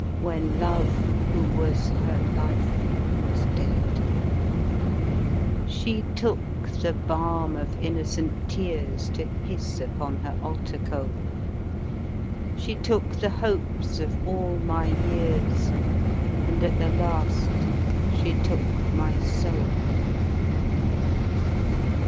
When love, who was her life, was dead ? 14 A POMANDER OF VERSE She took the bahn of innocent tears To hiss upon her altar coal ; She took the hopes of all my years, And, at the last, she took my soul.